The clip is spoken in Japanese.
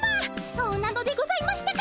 そうなのでございましたか！